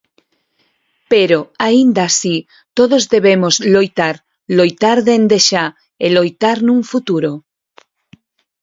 Pero, aínda así, todos debemos loitar, loitar dende xa e loitar nun futuro.